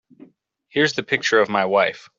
Here's the picture of my wife.